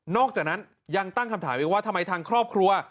อกจากนั้นยังตั้งคำถามอีกว่าทำไมทางครอบครัว